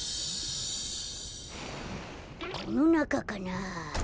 このなかかな？